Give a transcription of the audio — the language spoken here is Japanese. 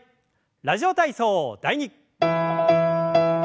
「ラジオ体操第２」。